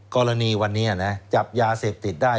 กรณีวันนี้นะจับยาเสพติดได้